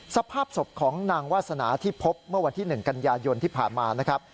สภาพศพของนางวาสนาที่พบเมื่อวันที่๑กันยายนที่ผ่านมานะครับ